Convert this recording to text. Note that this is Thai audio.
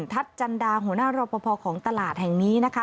จันดาหัวหน้ารอปภของตลาดแห่งนี้นะคะ